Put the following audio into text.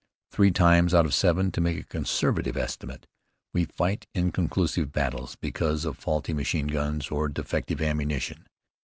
Three times out of seven, to make a conservative estimate, we fight inconclusive battles because of faulty machine guns or defective ammunition.